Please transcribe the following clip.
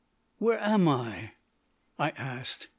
"Where am I?" I asked.